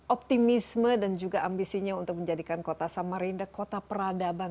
optimisme dan juga ambisinya untuk menjadikan kota samarinda kota peradaban